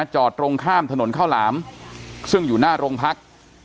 จอดตรงข้ามถนนข้าวหลามซึ่งอยู่หน้าโรงพัก